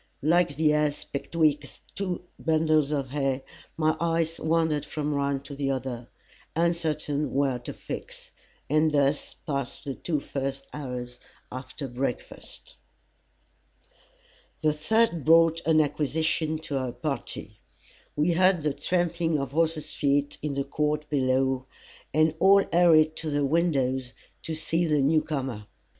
Like the ass betwixt two bundles of hay, my eyes wandered from one to the other uncertain where to fix. And thus passed the two first hours after breakfast. The third brought an acquisition to our party. We heard the trampling of horses' feet in the court below, and all hurried to the windows, to see the new comer.